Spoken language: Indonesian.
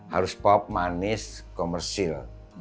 harus pop manis komersil